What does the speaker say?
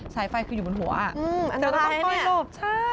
สายไฟคืออยู่บนหัวเธอก็ต้องค่อยหลบ